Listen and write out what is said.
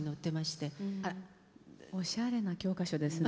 あらおしゃれな教科書ですね。